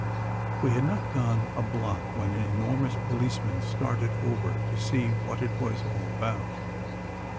We had not gone a block when an enormous policeman started over, to see what it was all about.